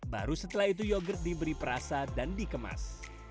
baru setelah itu yogurt diberi perasa dan dikemas